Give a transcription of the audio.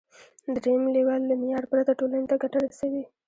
دریم لیول له معیار پرته ټولنې ته ګټه رسوي.